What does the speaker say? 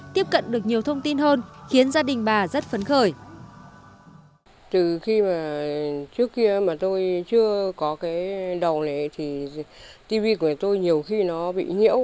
từ khi mà trước kia mà tôi chưa có cái đầu này thì tv của tôi nhiều khi nó bị nhiễu